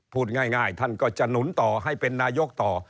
พูดง่ายท่านก็จะหนุนต่อให้เป็นนายกต่อ